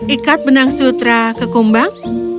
ikat benang sutra ke kumbang